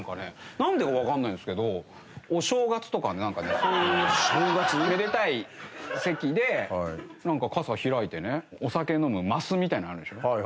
なんでかわかんないんですけどお正月とかねなんかねそういうめでたい席でなんか傘開いてねお酒飲む升みたいなのあるでしょ？